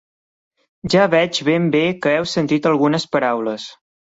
Ja veig ben bé que heu sentit algunes paraules.